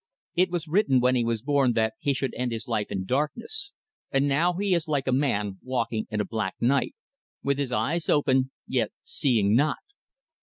"It was written when he was born that he should end his life in darkness, and now he is like a man walking in a black night with his eyes open, yet seeing not.